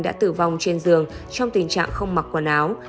đã tử vong trên giường trong tình trạng không mặc quần áo